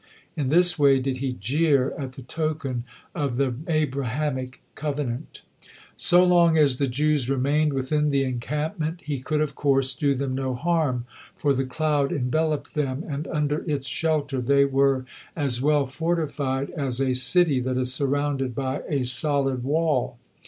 In this way did he jeer at the token of the Abrahamic covenant. So long as the Jews remained within the encampment, he could, of course, do them no harm, for the cloud enveloped them, and under its shelter they were as well fortified as a city that is surrounded by a solid wall.